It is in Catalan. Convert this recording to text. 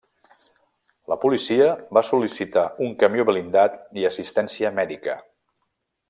La policia va sol·licitar un camió blindat i assistència mèdica.